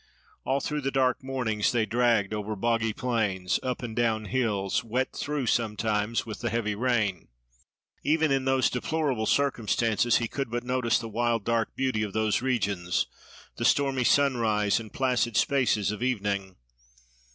All through the dark mornings they dragged over boggy plains, up and down hills, wet through sometimes with the heavy rain. Even in those deplorable circumstances, he could but notice the wild, dark beauty of those regions—the stormy sunrise, and placid spaces of evening.